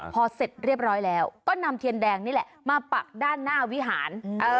พอเสร็จเรียบร้อยแล้วก็นำเทียนแดงนี่แหละมาปักด้านหน้าวิหาร